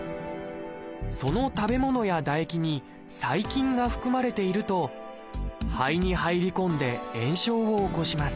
その食べ物や唾液に細菌が含まれていると肺に入り込んで炎症を起こします。